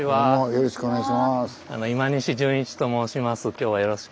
よろしくお願いします。